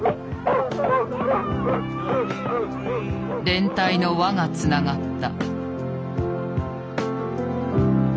連帯の輪がつながった。